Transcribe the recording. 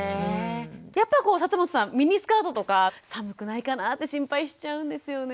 やっぱり本さんミニスカートとか寒くないかなって心配しちゃうんですよね。